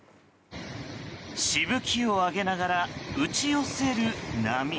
しぶきをあげながら打ち寄せる波。